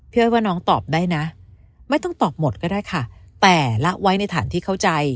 อ้อยว่าน้องตอบได้นะไม่ต้องตอบหมดก็ได้ค่ะแต่ละไว้ในฐานที่เข้าใจ